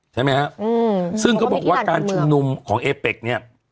ใช่ไหมฮะอืมซึ่งเขาบอกว่าการชุมนุมของเอเป็กเนี่ย